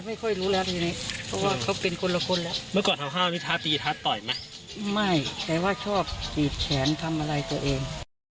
ไม่แต่ว่าชอบจี๊ดแขนทำอะไรตัวเอง